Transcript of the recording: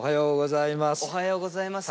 おはようございます。